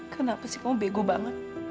kenapa sih kamu bego banget